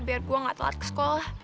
biar gue gak telat ke sekolah